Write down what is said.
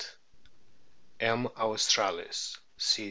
M. australis : C.